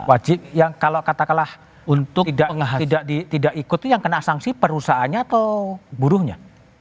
wajib yang kalau katakanlah untuk tidak ikut itu yang kena sanksi perusahaannya atau buruhnya